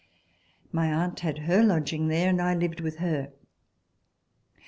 My aunt had her lodging there and I lived with her.